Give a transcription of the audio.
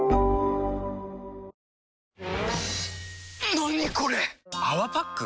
何これ⁉「泡パック」？